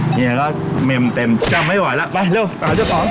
เฮียก็เมมเต็มจำไม่ไหวแล้วไปเร็วไปหาเจ้าของ